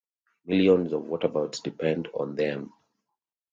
Millions of waterbirds depend on them.